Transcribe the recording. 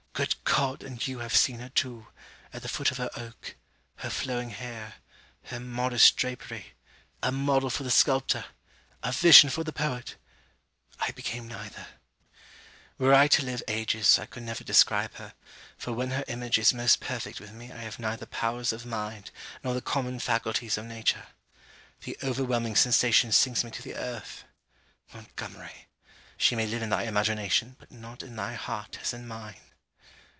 Good God! and you have seen her too at the foot of her oak her flowing hair her modest drapery a model for the sculptor! A vision for the poet! I became neither! Were I to live ages, I could never describe her, for when her image is most perfect with me I have neither powers of mind, nor the common faculties of nature. The overwhelming sensation sinks me to the earth. Montgomery! She may live in thy imagination, but not in thy heart, as in mine!